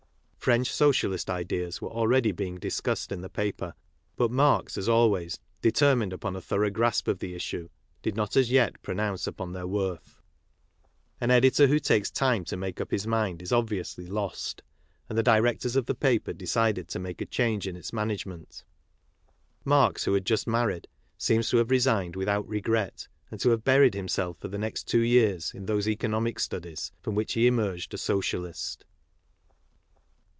French socialist ideas were already beinff discussed in the paper, but Marx, as always, determined upon a thorough grasp of the issue, did not as yet pro nounce upon their worth. An editor who takes time to KARL MARX 9 make up his mind is obviously lost ; and the directors of the paper decided to make a change in its management. Marx, who had just married, seems to have resigned without regret, and to have buried himself for the next two years in those economic studies from which he emerged a Socialist.